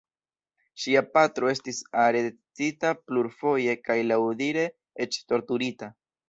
Ŝia patro estis arestita plurfoje kaj laŭdire eĉ torturita.